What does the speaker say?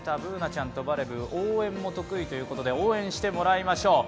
Ｂｏｏｎａちゃんとバレブー、応援も得意ということで応援してもらいましょう。